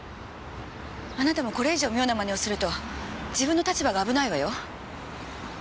あなたもこれ以上妙なマネをすると自分の立場が危ないわよ。